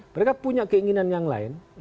mereka punya keinginan yang lain